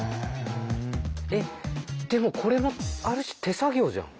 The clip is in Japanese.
えっでもこれもある種手作業じゃん。